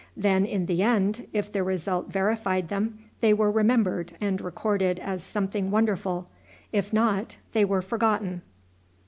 Then, in the end, if the result verified them, they were remembered and recorded as something wonderful; if not, they were forgotten.